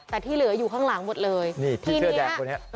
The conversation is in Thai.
แต่ที่เหลืออยู่ข้างหลังหมดเลยนี่พี่เสื้อแดงคนนี้